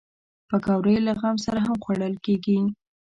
پکورې له غم سره هم خوړل کېږي